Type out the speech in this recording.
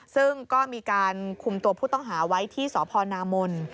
ซึ่งก็มีการคุมตัวผู้ต้องหาไว้ที่สพนามน